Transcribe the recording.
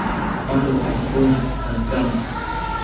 alu a kula na gang